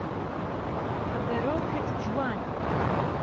که بهرۆکت جوانه